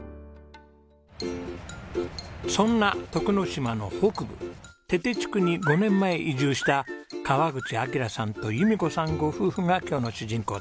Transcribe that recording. そんな徳之島の北部手々地区に５年前移住した川口明さんと裕美子さんご夫婦が今日の主人公です。